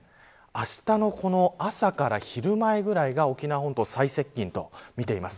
あしたの朝から昼前ぐらいが沖縄本島に最接近と見ています。